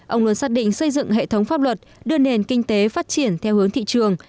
ông luôn xác định xây dựng hệ thống pháp luật đưa nền kinh tế phát triển theo hướng thị trường